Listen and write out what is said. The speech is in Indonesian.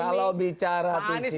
kalau bicara visi visi